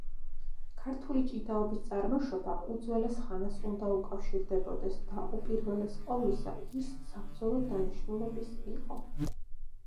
ქართული ჭიდაობის წარმოშობა უძველეს ხანას უნდა უკავშირდებოდეს და უპირველეს ყოვლისა ის საბრძოლო დანიშნულების იყო.